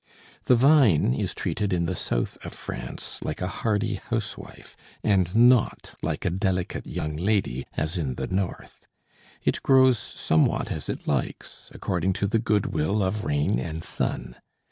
The vine is treated in the south of France like a hardy housewife, and not like a delicate young lady, as in the north. It grows somewhat as it likes, according to the good will of rain and sun.